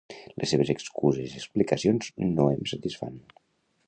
Les seves excuses i explicacions no em satisfan.